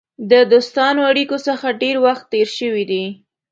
د دوستانه اړېکو څخه ډېر وخت تېر شوی دی.